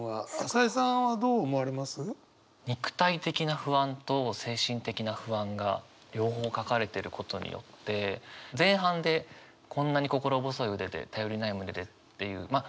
朝井さんはどう思われます？が両方書かれてることによって前半で「こんなに心細い腕で頼りない胸で」っていうまあ